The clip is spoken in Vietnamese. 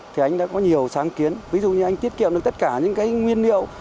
thì anh đã có nhiều sáng kiến ví dụ như anh tiết kiệm được tất cả những cái nguyên liệu